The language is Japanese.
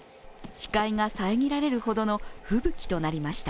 視界が遮られるほどの吹雪となりました。